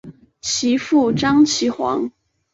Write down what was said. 其父张其锽。